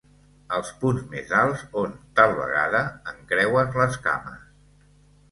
Els punts més alts on, tal vegada, encreues les cames.